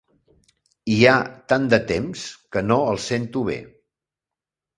Hi ha tant de temps que no el sento bé.